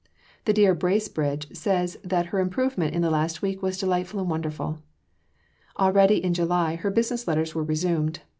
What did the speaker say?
The dear Bracebridges say that her improvement in the last week was delightful and wonderful." Already, in July, her business letters were resumed.